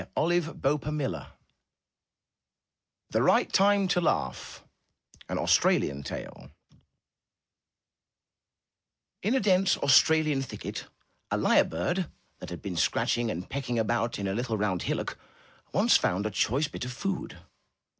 Ill MY BOOK HOUSE THE RIGHT TIME TO LAUGH An Australian Tale In a dense Australian thicket, a lyre bird that had been scratching and pecking about in a little round hillock, once found a choice bit of food.